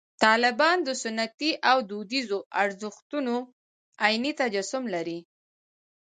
طالبان د سنتي او دودیزو ارزښتونو عیني تجسم لري.